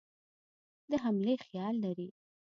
د حملې خیال لري.